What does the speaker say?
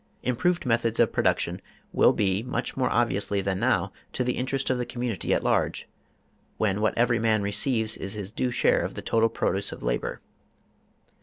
Improved methods of production will be much more obviously than now to the interest of the community at large, when what every man receives is his due share of the total produce of labor.